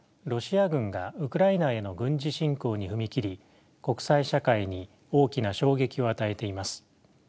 ロシア軍がウクライナへの軍事侵攻に踏み切り国際社会に大きな衝撃を与えています。